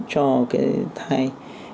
cho cái thai